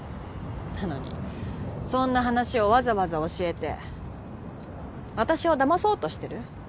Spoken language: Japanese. なのにそんな話をわざわざ教えて私をだまそうとしてる？